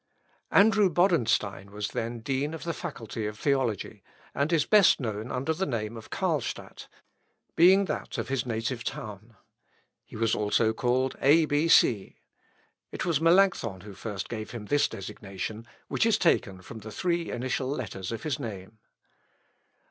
Luth., Ep. i, p. 2. Andrew Bodenstein was then Dean of the Faculty of Theology, and is best known under the name of Carlstadt, being that of his native town. He was also called A. B. C. It was Melancthon who first gave him this designation, which is taken from the three initial letters of his name.